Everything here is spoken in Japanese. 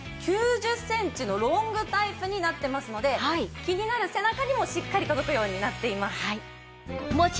９０センチのロングタイプになってますので気になる背中にもしっかり届くようになっています。